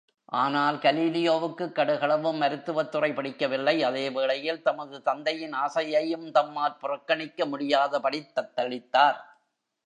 ஆனால், கலீலியோவுக்கு கடுகளவும் மருத்துவத்துறை பிடிக்கவில்லை அதே வேளையில் தமது தந்தையின் ஆசையையும் தம்மால் புறக்கணிக்க முடியாதபடித் தத்தளித்தார்!